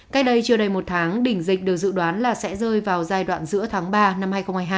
cách đây chưa đầy một tháng đỉnh dịch được dự đoán là sẽ rơi vào giai đoạn giữa tháng ba năm hai nghìn hai mươi hai